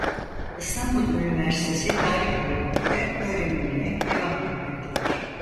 İstanbul Üniversitesi Tarih Bölümünde öğrenimine devam etmektedir.